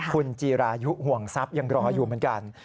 คุณจีรายุห่วงทรัพย์ยังรออยู่เหมือนกัน